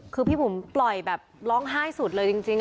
คือพี่บุ๋มปล่อยแบบร้องไห้สุดเลยจริง